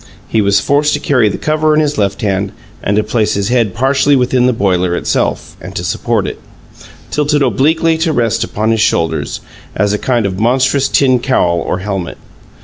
He was forced to carry the cover in his left hand and to place his head partially within the boiler itself, and to support it tilted obliquely to rest upon his shoulders as a kind of monstrous tin cowl or helmet.